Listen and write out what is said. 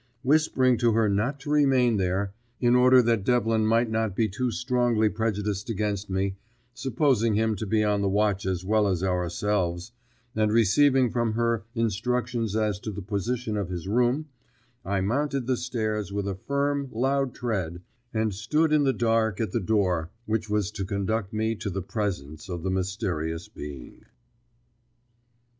Whispering to her not to remain there, in order that Devlin might not be too strongly prejudiced against me supposing him to be on the watch as well as ourselves and receiving from her instructions as to the position of his room, I mounted the stairs with a firm, loud tread, and stood in the dark at the door which was to conduct me to the presence of the mysterious being.